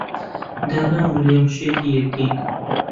دانا و مەریەم شێتی یەکدین.